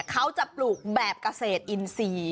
เขาจะปลูกแบบเกษตรอินทรีย์